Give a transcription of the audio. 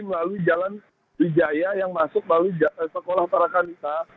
melalui jalan wijaya yang masuk melalui sekolah tarakanita